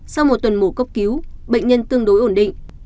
sau một tuần mổ cấp cứu bệnh nhân tương đối ổn định